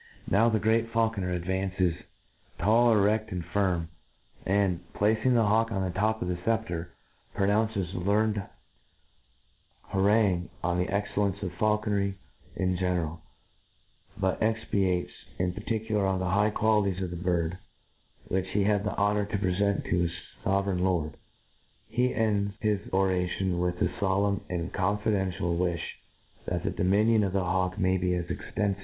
Now the Great Faulconer advances, tall, ere^, and firm, and, placing the hawk on the top of the fceptre, pronounces a learned ha rangue on the excellence of faulconry in gene ral ; but expatiates in particular on the high qualities of the bird which he had the honour to prefent to his fovereign lord. He ends his oration with a ' folemn and confidential wifli, that the dominion of the hawk may be as ex tenfiv^ 84 INTRO DUCTI ON.